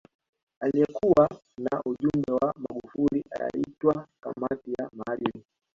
Aliyekuwa na ujumbe wa Magufuli aitwa kamati ya maadili